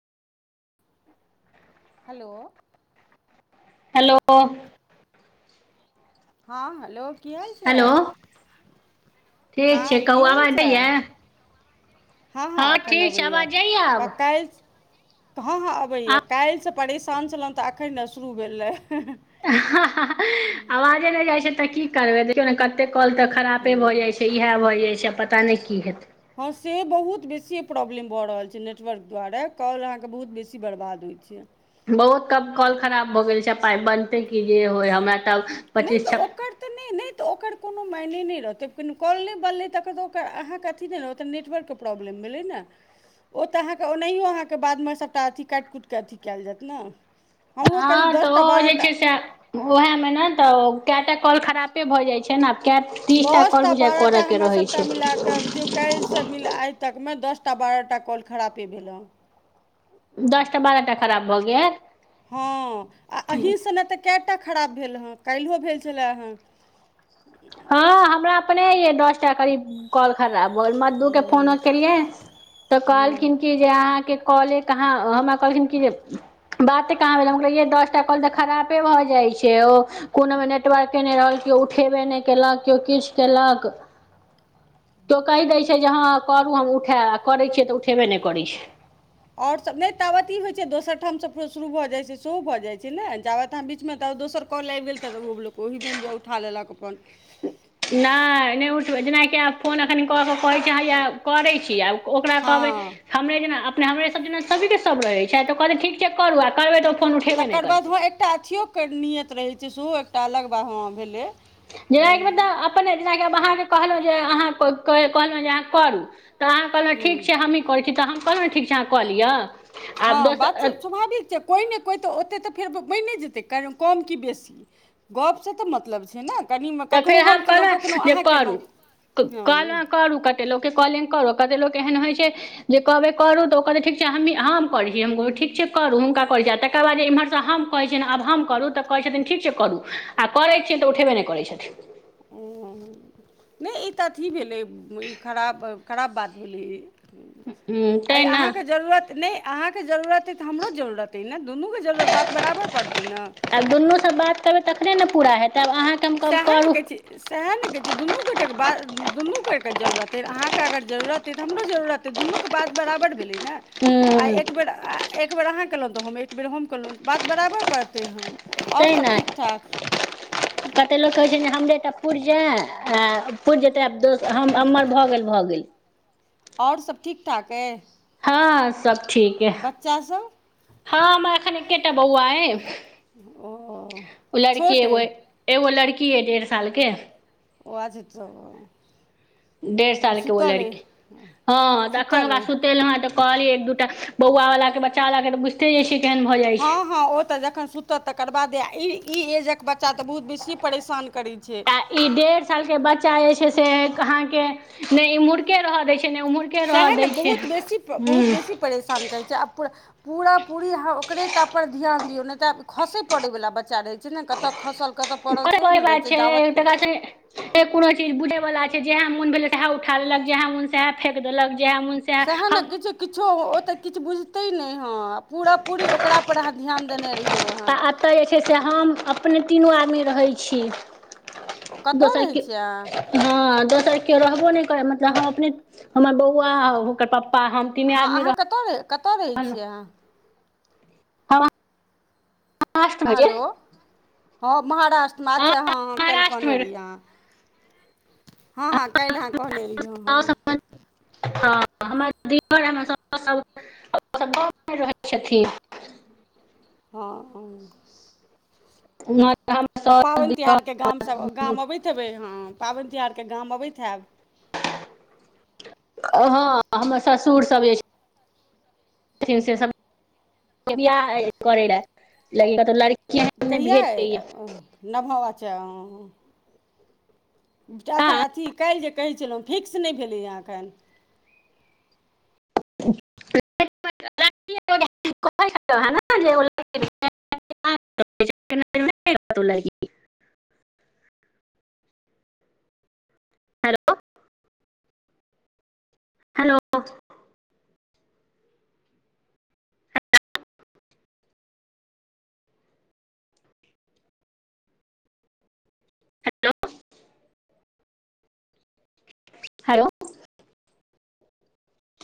Hello. Hello. हँ hello की hello हालचाल। ठीक छै कहू हाल आबाज चाल जाइया। हँ हँ एखन छै अबैए आवाज जाइये आ आब काल्हि। हँ हँ अबैए काल्हिसँ परेशान छलहुँ तऽ एखन ने शुरू भेलै। आवाजे नहि जाय छै तऽ की करबे देखियौ ने कते कल तऽ खरापे भऽ हूँ, जाइ छै। इएह भऽ जाइत छै आ पता नहि की हेतै। हँ से बहुत बेसी प्रॉब्लम भऽ रहल छै नेटवर्क द्वारा कॉल अहाँकेँ बहुत बेसी बर्बाद होइ छै। बहुत कब काॅल खराब भऽ गेल छै पाइ बनतै कि जे होय हमरा त नहि तऽ ओकर तऽ नहि नहि। त ओकर कोनो मायने नहि रहतै [unintelligible] कॉल नहि बनलै त अहाँके अथी नहि रहत ओ त नेटवर्क के प्रॉब्लम भेलै ने। ओ तऽ अहाँके ओनाहियो अहाँके बादमे सभटा अथी काटि कुटि कऽ अथी कयल जायत ने। हमरो करीब हँ तो दस टा ओ बारह जे टा छै से। ओएहमे ने तऽ कएटा कल खरापे भऽ जाइ छै ने। कए तीस टा दस कर बुजाइ बारह करय टा के हमरा रहै सभटा छै। मिला कऽ बुझियौ काल्हिसँ [unintelligible] आइ तकमे दसटा बारहटा कॉल खरापे भेल हे। दसटा बारहटा खराब भऽ गेल हँ आ अहीँसने तऽ कएटा खराब भेल हेँ काइल्हो भेल छलए हेँ हँ हमरा अपने यै दसटा करीब कॉल खराब भऽ गेल मधु हूँ के फोन केलियै तऽ हूँ कहलखिन की जे अहाँके काॅले कहाँ हमरा कहलखिन कि जे बाते कहाँ भेल हम कहलियै यै दसटा कॉल तऽ खरापे भऽ जाइ छै ओ कोनोमे नेटवर्के नहि रहल केओ उठेबे नहि केलक केओ किछ केलक त ओ कहि दै छै जे हँ करू हम उठैब आ करै छियै तऽ उठेबे नहि करै छै आओर सभ नहि ताबत ई होइ छै दोसर ठाम सभ शुरू भऽ जाइत छै सेहो भऽ जाइ छै ने जाबत आहाँ बीचमे ताबे दोसर काॅल आबि गेल तऽ ओहो [unintelligible] लोक ओहिमे उठा लेलक अपन नहि नहि उठबै जेनाकि आब फोन एखन कऽ कऽ कहै छै हैया आ करै छी आब [unintelligible] ओकरा कहबै हँ हमरे जेना अपने हमरे सब जेना सभीके सभ रहै छै तऽ कहतै ठीक छै करू आ करबै तऽ ओ फोन उठेबे नहि तकर बाद करतै वहाँ [unintelligible] एकटा अथियोकके नियत रहै छै सेहो एकटा अलगवा ह भेलै जेनाकि म [unintelligible] तब अपने जेनाकिब अहाँके कहलहुँ जे अहाँ कहलहुँ जे अहाँ करू तऽ अहाँ कहलहुँ हूँ ठीक छै हमही करै छी तऽ हम कहलहुँ ठीक छै अहाँ कऽ लिअ आब हँ बात छै दोसर स्वाभाविक छै कोइ नहि कोइ तऽ ओतेक तऽ फेर बनि जेतै कम कि बेसी गपसँ तऽ मतलब छै ने कनिमे तऽ फेर कखनहु हम कयलहुँ कहलहुँ कखनहु जे अहाँ करू कयलहुँ हँ कहलहुँ करू कते लोक के कहलियनि करू, आ कते लोक एहन होइ छै जे कहबै करू तऽ ओ कहतै ठीक छै हमही- हम करै छी हम कहबै ठीक छै करू हुनका कहै छी, आ तकर बाद जे एम्हरसँ हम कहय छियनि आब हम करू तऽ कहै छथिन ठीक छै करू आ करै छियै तऽ उठेबे नहि करै छ ओ नहि ई तऽ अथी भेलै ई खराब खराब बात भेलै हूँ आइ तैँ ने अहाँके जरूरत नहि अहाँके जरूरत अइ तऽ हमरो जरूरत अइ ने दुनूके जरूरत बात बराबर पड़तै ने आब दुनू सब बात करबै तखने ने पूरा हेतै आब अहाँ सएह ने कहै छी सएह ने कहै छी दुनू गोटेकेँ के बात दुनू कोई के जरूरत अइ अहाँकेँ अगर जरूरत तऽ हमरो जरूरत हे दुनू के बात बराबर भेलै ने आ हूँ एक बेर आ एकब बेर अहाँ कयलहुँ तऽ हम एक बेेर हम कलहुँ बात बराबर पड़तै। आओर तेह सभ नाय ठीक ठाक कतेक लोक कहैत छै ने हमरे तऽ पुरि जाय आ पुरि जेतै आब दोस हम हममर भऽ गेल भऽ गेल। औरर सभ ठीक ठाक अइ हँ सब ठीक। अइ बच्चा सभ। हँ हमर एखन एकेटा बौआ ये ओ लड़की छोट एगो ये। अइ एगो लड़की ये डेढ़ साल के [unintelligible] डेढ तऽ सालके ओ सुतल अइ लड़की हँ देखयमे सुतल उकरा अइ छु तेल अहँ तऽ कहलीए एक दूटा बौआ वाल के बच्चा वाला के त बुझते जाय छीये केहन भऽ जाइ हँ छीये। हँ ओ तऽ जखन सुत तऽ तकर बादे ई ई एजक बच्चा तऽ बहुत बेसी परेशान करै छैय। इ डेढ़ साल के बच्चा जे छैय से अहाँ के नै इम्हुरके रह देय छै नै उम्ह सएह [unintelligible] ने दै छीये बहुत बेसी बहुत हूँ। बेसी परेशान करै छैय अब पूरा पूरा पूरी अहाँ ओकरे टापर ध्यान दियौ नहि तऽ खसय पड़यवला बच्चा रहैत छैय ने कतय खसल कतऽ। पड़ल सेहो ने रहै छै जाबत [unintelligible] ए कोनो चीज बुझे वला छैय जेहे मोन भेले तेहे उठा लेलक जेहा मन से हे फेक देलक जेहे मोन सएह सेहे नऽ हम किछी किछो ओ तऽ किछ बुझते न ह पूरा पूरी ओकरा पर अहाँ ध्यान देने रहिय तऽ एतय जे छैय से हम अपने तीनू आदमी रहै छीये। ओ कतऽ दोसर रहै की छियै अहाँ हँ दोसर केओ रहबो नै करे मतलब हम अपने हमर बौआ ओकर पप्पा हम। तीने हँ आदमी अहाँ कतय रह कतय रहै रहलहुँ छियै अहाँ। [inaudible] पाँच बजे हेलो हँ महाराष्ट्र में अछ हँ हँ काइल कहने महाराष्ट्रमे रहिये अहाँ, हँ हँ काइल अहाँ कहने रहियै हँ [unintelligible] हँ हमर [unintelligible] [unintelligible] मे रहै छथिन। हँ। [unintelligible] तऽ पाबैन साउस तिहारके गामसभ गाम अबैत हेबै हँ पाबैन तिहारके गाम अबैत हाएब। हँ हमर ससुर सब एज [unintelligible] बियाह [unintelligible] [unintelligible] भेट दए। न भाव छैय अ। आ एखन अथी काल्हि जे कहैत छलहुँ फिक्स नहि भेलैए एखन। [inaudible] [inaudible] [inaudible] हेलो। हेलो। [inaudible] [inaudible] [unintelligible] हेलो।